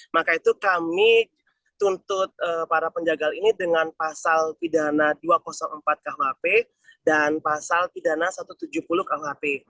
maka itu kami tuntut para penjagal ini dengan pasal pidana dua ratus empat kuhp dan pasal pidana satu ratus tujuh puluh kuhp